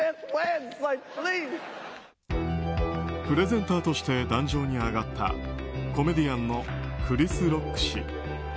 プレゼンターとして壇上に上がったコメディアンのクリス・ロック氏。